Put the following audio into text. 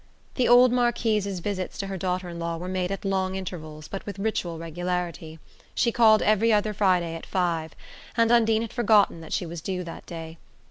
The old Marquise's visits to her daughter in law were made at long intervals but with ritual regularity; she called every other Friday at five, and Undine had forgotten that she was due that day.